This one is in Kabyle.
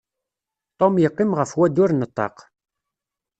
Tom yeqqim ɣef wadur n ṭṭaq.